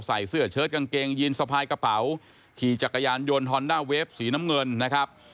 ใส่เสื้อเชิดกางเกงยีนสะพายกระเป๋าขี่จักรยานยนต์ฮอนด้าเวฟสีน้ำเงินนะครับ